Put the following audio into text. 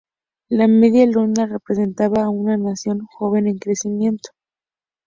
La media luna representa a una nación joven en crecimiento.